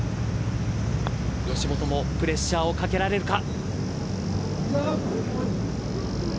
吉本もプレッシャーをかけられるか。